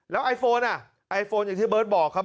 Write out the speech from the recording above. แล้วไอโฟนอ่ะไอโฟนอย่างที่เบิร์ตบอกครับ